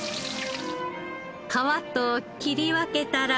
皮と切り分けたら。